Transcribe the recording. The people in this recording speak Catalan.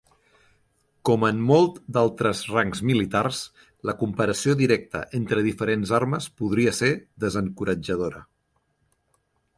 Com en molt d'altres rangs militars, la comparació directe entre diferents armes podria ser desencoratjadora.